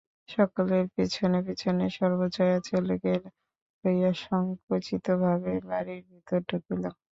সকলেব পিছনে পিছনে সর্বজয়া ছেলেকে লইয়া সংকুচিতভাবে বাড়ির ভিতর ঢুকিল।